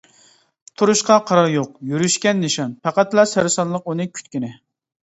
تۇرۇشقا قارار يوق، يۈرۈشكە نىشان، پەقەتلا سەرسانلىق ئۇنى كۈتكىنى.